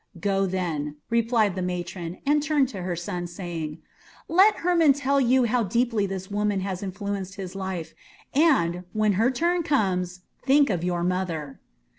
"Go, then," replied the matron, and turned to her son, saying, "Let Hermon tell you how deeply this woman has influenced his life, and, when her turn comes, think of your mother."